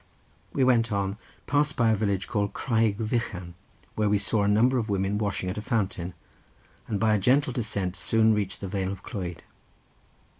We went on, passed by a village called Craig Vychan, where we saw a number of women washing at a fountain, and by a gentle descent soon reached the vale of Clwyd.